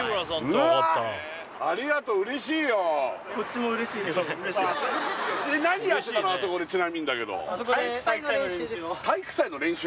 うわっちなみにだけど体育祭の練習？